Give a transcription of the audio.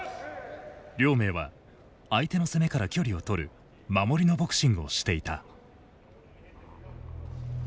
亮明は相手の攻めから距離を取る守りのボクシングをしていた。